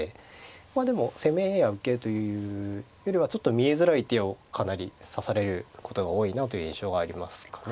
まあでも攻めや受けというよりはちょっと見えづらい手をかなり指されることが多いなという印象がありますかね。